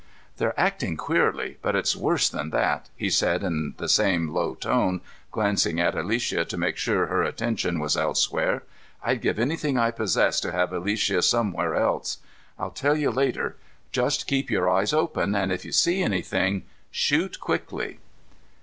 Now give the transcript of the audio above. "They're acting queerly, but it's worse than that," he said in the same low tone, glancing at Alicia to make sure her attention was elsewhere. "I'd give anything I possess to have Alicia somewhere else. I'll tell you later. Just keep your eyes open and, if you see anything, shoot quickly."